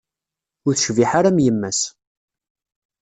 Ur tecbiḥ ara am yemma-s.